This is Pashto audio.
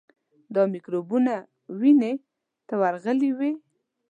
دا میکروبونه وینې ته ورغلي وي.